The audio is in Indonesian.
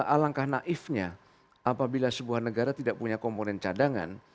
alangkah naifnya apabila sebuah negara tidak punya komponen cadangan